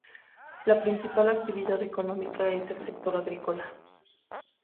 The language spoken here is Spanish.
La principal actividad económica es el sector agrícola.